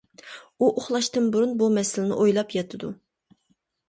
ئۇ ئۇخلاشتىن بۇرۇن بۇ مەسىلىنى ئويلاپ ياتىدۇ.